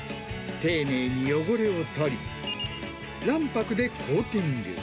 丁寧に汚れを取り、卵白でコーティング。